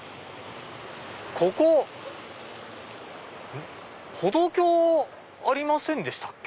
ここ歩道橋ありませんでしたっけ？